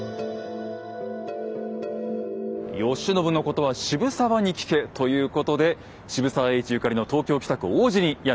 「慶喜のことは渋沢に聞け」ということで渋沢栄一ゆかりの東京・北区王子にやって来ました。